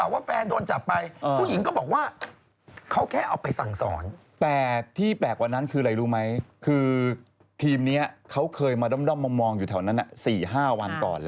๔๕วันก่อนแล้วก่อนจะได้จับตัว